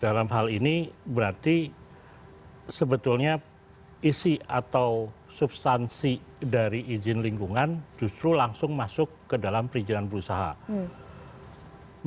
dalam hal ini berarti sebetulnya isi atau substansi dari izin lingkungan justru langsung masuk ke dalam perizinan berusaha